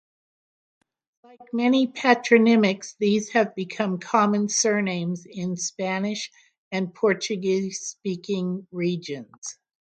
Like many patronymics, these have become common surnames in Spanish- and Portuguese-speaking regions.